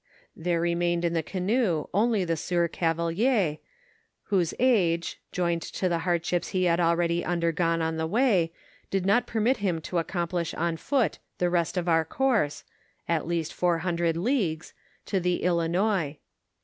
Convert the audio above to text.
There remained in the canoe only the sieur Cavelier whose age, joined to the hardships he had already undergone on the way, did not permit him to accomplish on foot the rest of our course (at least four hundred leagues), to the Ilinois.